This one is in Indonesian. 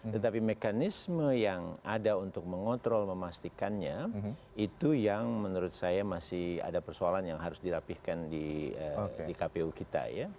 tetapi mekanisme yang ada untuk mengontrol memastikannya itu yang menurut saya masih ada persoalan yang harus dirapihkan di kpu kita ya